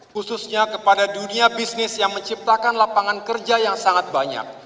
khususnya kepada dunia bisnis yang menciptakan lapangan kerja yang sangat banyak